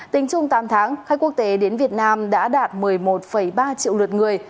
tính chung tám tháng khách quốc tế đến việt nam đã đạt một mươi một ba triệu lượt người